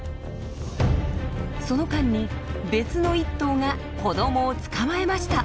その間に別の１頭が子どもを捕まえました。